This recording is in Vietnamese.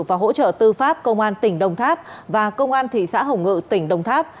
và hỗ trợ tư pháp công an tỉnh đồng tháp và công an thị xã hồng ngự tỉnh đồng tháp